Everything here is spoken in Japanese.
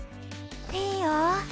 いいよ！